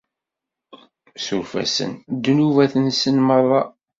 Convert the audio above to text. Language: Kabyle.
Suref-asen ddnubat-nsen merra!